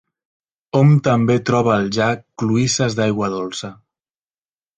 Hom també troba al llac cloïsses d'aigua dolça.